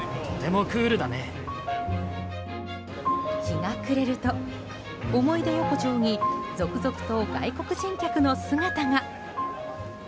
日が暮れると思い出横丁に続々と外国人客の姿が。